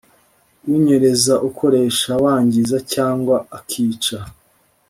unyereza ukoresha wangiza cyangwa akica